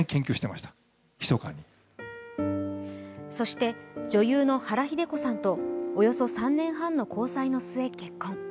そして女優の原日出子さんと、およそ３年半の交際の末、結婚。